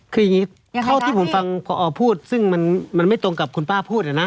คืออย่างนี้เท่าที่ผมฟังพอพูดซึ่งมันไม่ตรงกับคุณป้าพูดนะ